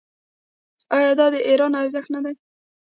آیا دا د ایران ارزښت نه دی؟